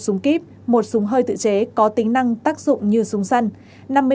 một súng kíp một súng hơi tự chế có tính năng tác dụng như súng săn